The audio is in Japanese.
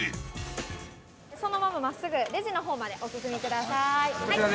そのまま真っすぐレジの方までお進みください。